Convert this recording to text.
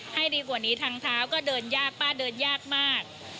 ให้ดีกว่านี้ทางเท้าก็เดินยากป้าเดินยากมาก